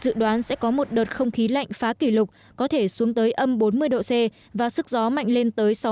dự đoán sẽ có một đợt không khí lạnh phá kỷ lục có thể xuống tới âm bốn mươi độ c và sức gió mạnh lên tới sáu mươi